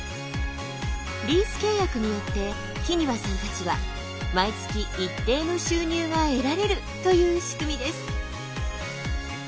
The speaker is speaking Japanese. リース契約によって木庭さんたちは毎月一定の収入が得られるという仕組みです。